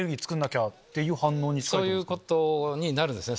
そういうことになるんですね